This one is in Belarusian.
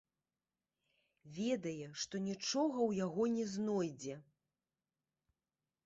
Ведае, што нічога ў яго не знойдзе.